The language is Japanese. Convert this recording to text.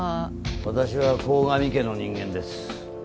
私は鴻上家の人間です。